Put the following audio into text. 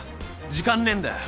時間ねえんだよ。